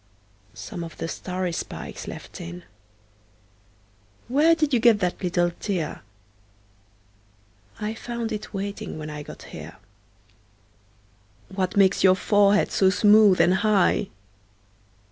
Some of the starry spikes left in. Where did you get that little tear?I found it waiting when I got here. What makes your forehead so smooth and high?